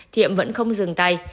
thiệm vẫn không dừng tay